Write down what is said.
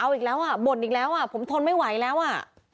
เอาอีกแล้วอ่ะบ่นอีกแล้วอ่ะผมทนไม่ไหวแล้วอ่ะ